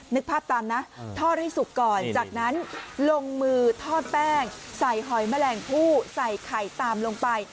นึกภาพตามนะทอดให้สุกก่อนจากนั้นลงมือทอดแป้งใส่หอยแมลงผู้ใส่ไข่ตามลงไป